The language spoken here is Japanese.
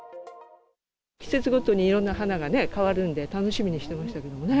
季節ごとにいろんな花が変わるんで、非常に楽しみにしてますけどね。